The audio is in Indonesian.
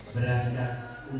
bu air kondong